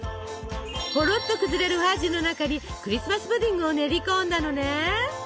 ほろっと崩れるファッジの中にクリスマス・プディングを練り込んだのね！